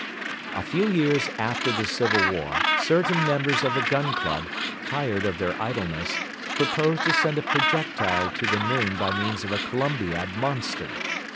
A few years after the civil war certain members of the Gun Club, tired of their idleness, proposed to send a projectile to the moon by means of a Columbiad monster.